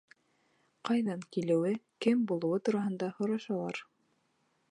Ҡайҙан килеүе, кем булыуы тураһында һорашалар.